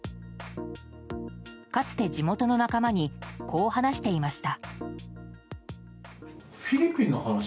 かつて地元の仲間にこう話していました。